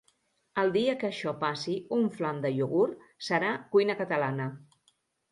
El dia que això passi un "flam de iogurt" serà "cuina catalana".